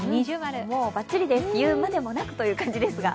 もうばっちりです言うまでもなくという感じですが。